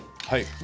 はい。